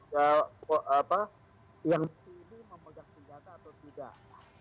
yang ini memegang senjata atau tidak